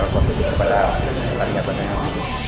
kepala rakyat rakyat menang